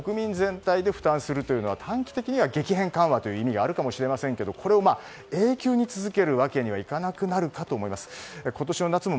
その補助金を国民全体で負担するのは短期的には緩和につながるかもしれませんがこれを永久に続けるわけにはいかなくなると思います。